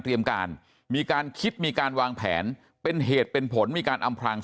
การมีการคิดมีการวางแผนเป็นเหตุเป็นผลมีการอำพลาง